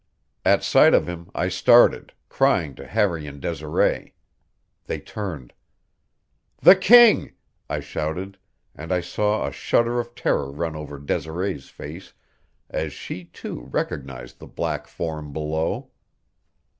At sight of him I started, crying to Harry and Desiree. They turned. "The king!" I shouted; and I saw a shudder of terror run over Desiree's face as she, too, recognized the black form below.